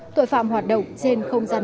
tội phạm hoạt động trên không gian mạng